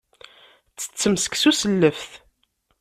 Ttettemt seksu s lleft.